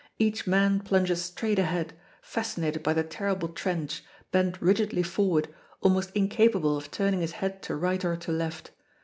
Each man plunges straight ahead, fascinated by the terrible trench, bent rigidly forward, almost incapable of turning his head to right or to left.